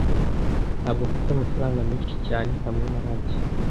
Ntabwo mfite amafaranga menshi cyane hamwe nanjye.